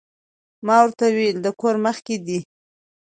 ما ورته ووې د کور مخ کښې دې